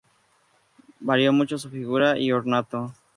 Varió mucho su figura y ornato.